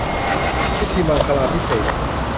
พิธีมังคลาภิเษก